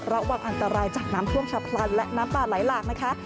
ระวังอันตรายจากน้ำท่วมฉับพลันและน้ำป่าไหลหลากนะคะ